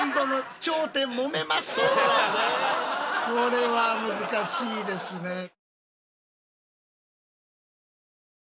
これは難しいですね。